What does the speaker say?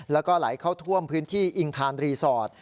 แล้วก็ไหลเข้าท่วมพื้นที่อิงทานรีสอร์ท